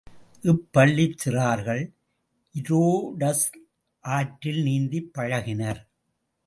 இப்பள்ளிச் சிறார்கள் இரோடஸ் ஆற்றில் நீந்திப் பழகினர்.